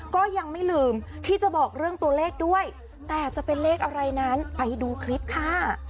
ก็ยังไม่ลืมที่จะบอกเรื่องตัวเลขด้วยแต่จะเป็นเลขอะไรนั้นไปดูคลิปค่ะ